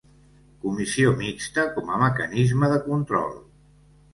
Comissió mixta com a mecanisme de control.